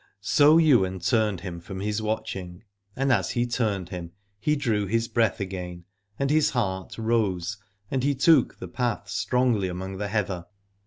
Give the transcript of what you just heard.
So Ywain turned him from his watching : and as he turned him he drew his breath again, and his heart rose and he took the path strongly among the heather.